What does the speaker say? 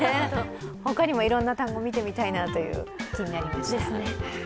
他にもいろんな単語見てみたいなという気になりました。